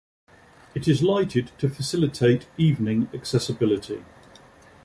It is lighted to facilitate evening accessibility.